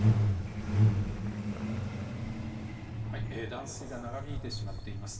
断水が長引いてしまっています。